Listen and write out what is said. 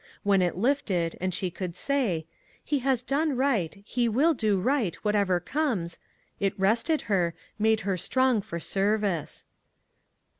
When it lifted, and she could say: "He has done right, he will do right, whatever comes," it rested her, made her strong for 'service.